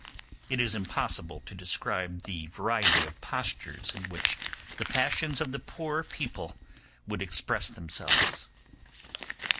It is impossible to describe the variety of postures in which the passions of the poor people would express themselves.